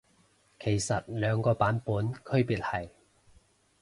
其實兩個版本區別係？